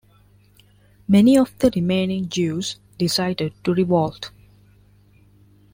Many of the remaining Jews decided to revolt.